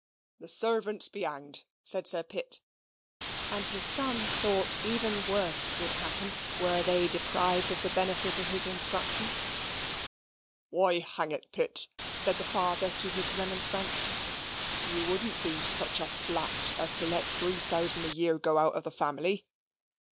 "The servants be hanged," said Sir Pitt; and his son thought even worse would happen were they deprived of the benefit of his instruction. "Why, hang it, Pitt!" said the father to his remonstrance. "You wouldn't be such a flat as to let three thousand a year go out of the family?"